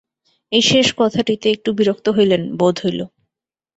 এই শেষ কথাটিতে একটু বিরক্ত হইলেন, বোধ হইল।